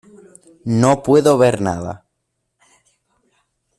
No puedo ver nada.